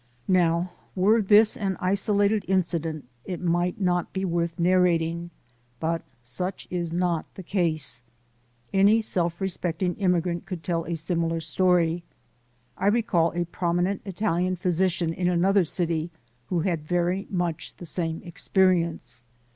Now were this an isolated incident, it might not be worth narrating, but such is not the case. Any self respecting immigrant could tell a similar story. I recall a prominent Italian physician in another city who had very much the same experience.